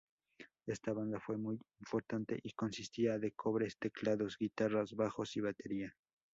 Esta banda fue muy importante y consistía de cobres, teclados, guitarras, bajos y batería.